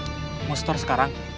hmm mau store sekarang